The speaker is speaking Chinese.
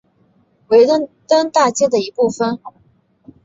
维登大街的一部分。